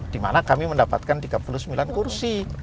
di mana kami mendapatkan tiga puluh sembilan kursi